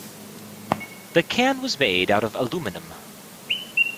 The can was made out of aluminium.